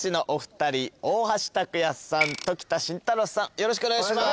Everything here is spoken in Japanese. よろしくお願いします。